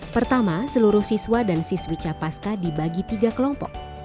pertama seluruh siswa dan siswi capaska dibagi tiga kelompok